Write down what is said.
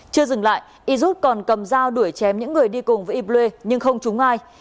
chưa dừng lại yirut còn cầm dao đuổi chém những người đi cùng với yble nhưng không trúng ai